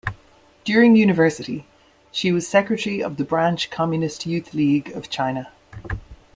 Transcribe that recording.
During university, she was secretary of the branch Communist Youth League of China.